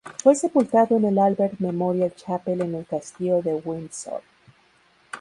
Fue sepultado en el Albert Memorial Chapel, en el castillo de Windsor.